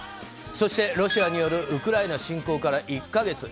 そして、ロシアによるウクライナ侵攻から１か月。